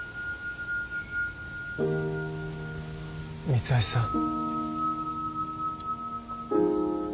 三橋さん。